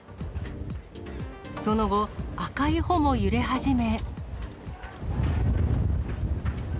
その後、赤い帆も揺れ始め。